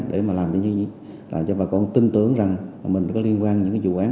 để mà làm cho bà con tin tưởng rằng mình có liên quan những vụ án này